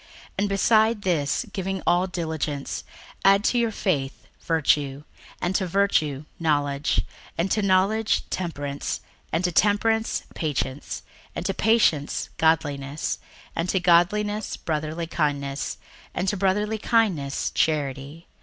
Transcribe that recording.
61:001:005 And beside this, giving all diligence, add to your faith virtue; and to virtue knowledge; 61:001:006 And to knowledge temperance; and to temperance patience; and to patience godliness; 61:001:007 And to godliness brotherly kindness; and to brotherly kindness charity.